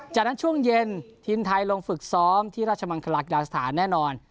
จากนั้นช่วงเย็นทีมไทยลงฝึกซ้อมที่ราชมังคลากีฬาสถานแน่นอน